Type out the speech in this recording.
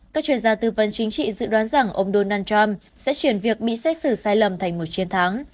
các chuyên gia tư vấn chính trị dự đoán rằng ông donald trump sẽ chuyển việc bị xét xử sai lầm thành một chiến thắng